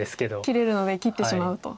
切れるので切ってしまうと。